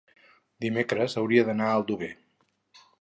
dimecres hauria d'anar a Aldover.